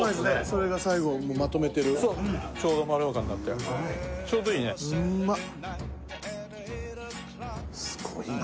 それが最後まとめてるそうちょうどまろやかになってちょうどいいねうんまっ！